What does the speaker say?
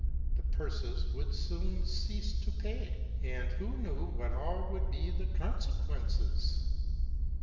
The purses would soon cease to pay, and who knew what all would be the consequences?